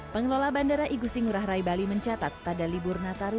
pengelola bandara igusti ngurah rai bali mencatat pada libur nataru